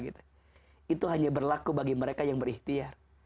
itu hanya berlaku bagi mereka yang berikhtiar